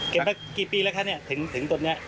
เก็บไปกี่ปีแล้วคะถึงตอนนี้